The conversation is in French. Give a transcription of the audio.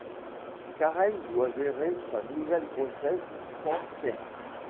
Karen doit gérer sa nouvelle grossesse sans Keith.